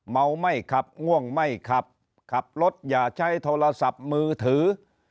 เมาไม่ขับง่วงไม่ขับขับรถอย่าใช้โทรศัพท์มือถือ